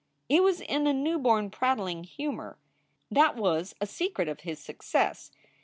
He was in a newborn prattling humor. That was a secret of his success.